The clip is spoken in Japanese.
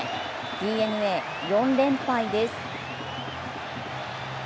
ＤｅＮＡ、４連敗です。